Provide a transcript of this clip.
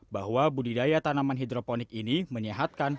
bahwa budidaya tanaman hidroponik ini menyehatkan